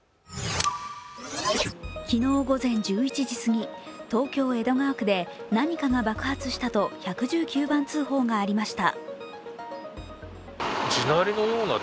昨日午前１１時すぎ東京・江戸川区で何かが爆発したと１１９番通報がありました。